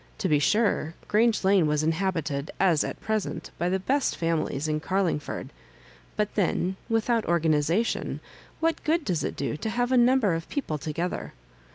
To be sure, Grange Lane was inhabited, as at present, by the best families in Garlingford; but then, without organisation, what good does it do to have a number of people together?